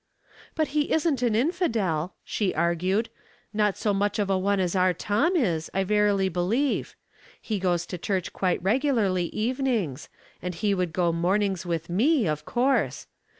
''But he isn't an infidel," she argued. " Not so much of a one as our Tom is, I verily believe. He goes to church quite regularly evenings ; and he would go mornings with me of course.